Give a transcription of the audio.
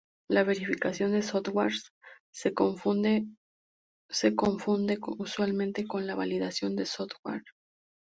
La verificación de software se confunde usualmente con la validación de software.